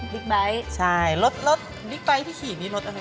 ลิกไบท์ใช่รถลิกไบท์ที่ขี่นี่รถอะไรนะคะ